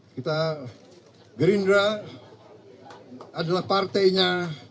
kita gerindra adalah partainya